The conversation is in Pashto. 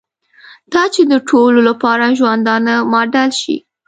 دا چې د ټولو لپاره ژوندانه ماډل شي.